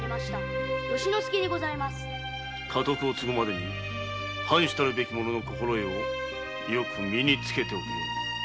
家督を継ぐまでに藩主たるべき者の心得を身につけておくように。